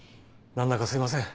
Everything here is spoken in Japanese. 何だかすいません